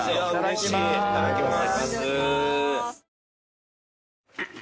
いただきます。